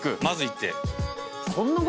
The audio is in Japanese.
まず行って。